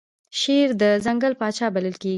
شیر د ځنګل پاچا بلل کیږي